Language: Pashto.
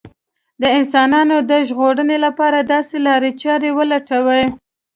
د انسانانو د ژغورنې لپاره داسې لارې چارې ولټوي